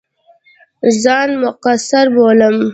ځان مقصِر بولم.